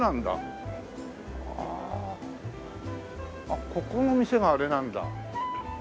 あっここの店があれなんだ。